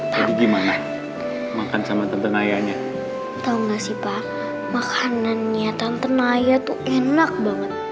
jadi gimana makan sama tenten ayahnya tahu nggak sih pak makanannya tante naya tuh enak banget